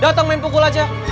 dateng main pukul aja